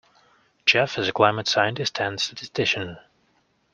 Jeff is a climate scientist and statistician.